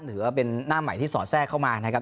ถือว่าเป็นหน้าใหม่ที่สอดแทรกเข้ามานะครับ